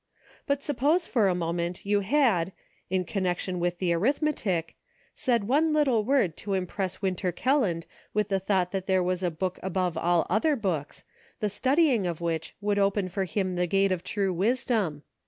But suppose for a moment you had, in connection with the arithmetic, said one little word to impress Winter Kelland with the thought that there was a Book above all other books, the studying of which would open for him the gate of true wisdom